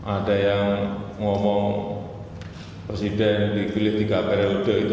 ada yang ngomong presiden di politika periode itu